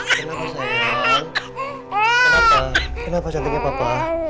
kenapa sayang kenapa kenapa cantiknya papa